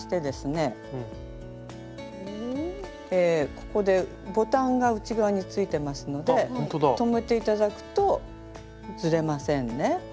ここでボタンが内側についてますので留めて頂くとずれませんね。